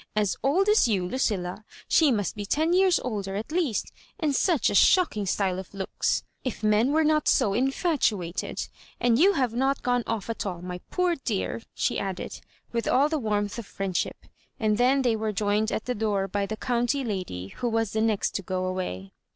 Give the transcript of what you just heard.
" As old as you, Lucilla 1 She must be ten years older at least ; and such a shocking style of looks — if men weie not so infatuated 1 And you liave not gone off at all, my poor dear," she added, with all the warmth of friendship I And then they were join ed at the door by the county lady, who was the next to go away.